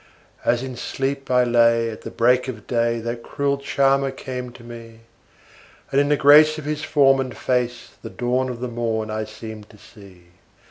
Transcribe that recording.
As in sleep I lay at the break of day that cruel charmer came to me, And in the grace of his form and face the dawn of the morn I seemed to see.